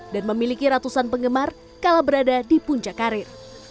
dan memiliki ratusan penggemar kalau berada di puncak karir